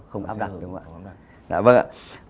không áp đặt đúng không ạ